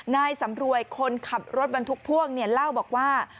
นายสำรวยคนขับรถบรรทุกพ่วงเล่าบอกว่า